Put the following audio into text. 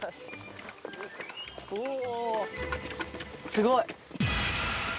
すごい！